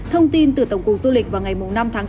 thông tin từ tổng cục du lịch vào ngày năm tháng sáu